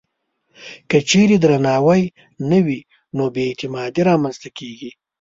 که چېرې درناوی نه وي، نو بې اعتمادي رامنځته کېږي.